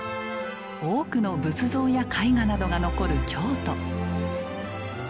多くの仏像や絵画などが残る京都。